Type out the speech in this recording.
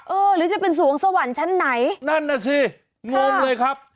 หรือจะเป็นสวงสวรรค์ชั้นไหนนั่นน่ะสิงงเลยครับ